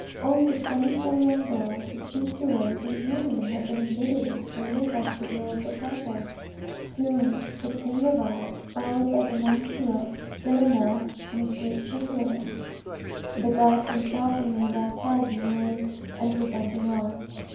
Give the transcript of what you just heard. Only the twenty four young girls, the two cures and Julien had been admitted into the little vestibule of the chapel. Soon the king arrived, followed by Monsieur de la Mole and his great Chamberlain. The guards themselves remained outside kneeling and presenting arms.